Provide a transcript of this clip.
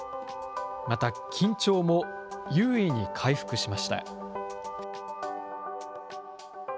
また緊張も有意に回復しました。